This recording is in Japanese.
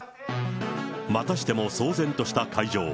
またしても騒然とした会場。